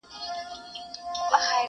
دې مړۍ ته د ګیدړ ګېډه جوړيږي؛